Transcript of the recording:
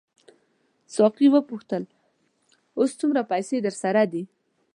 ساقي وپوښتل اوس څومره پیسې درسره دي.